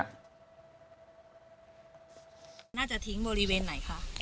น่าจะทิ้งบริเวณไหนคะ